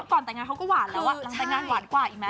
ก่อนแต่งงานเขาก็หวานแล้วแต่งงานหวานกว่าอีกไหม